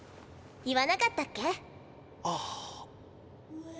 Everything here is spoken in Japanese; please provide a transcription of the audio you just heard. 言わなかったっけ？